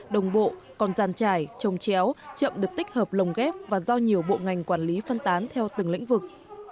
đồng bộ còn giàn trải trồng chéo chậm được tích hợp lồng ghép và do nhiều bộ ngành quản lý phân tán theo từng lĩnh vực